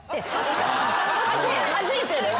はじいてる？